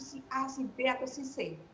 si a si b atau si c